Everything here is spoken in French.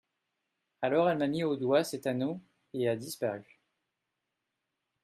Alors elle m’a mis au doigt cet anneau, et a disparu.